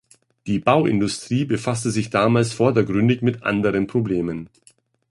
Die Bauindustrie befasste sich damals vordergründig mit anderen Problemen.